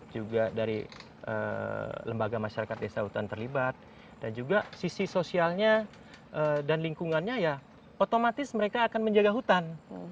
juga dari lembaga masyarakat desa hutan terlibat dan juga sisi sosialnya dan lingkungannya ya otomatis mereka akan menjaga hutan